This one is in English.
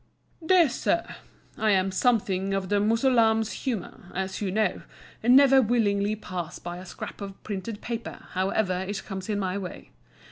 DEAR SIR,—I am something of the Mussulman's humour, as you know, and never willingly pass by a scrap of printed paper, however it comes in my way.